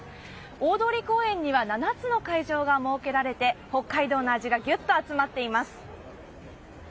大通公園には７つの会場が設けられて北海道の味がギュッと集まっています。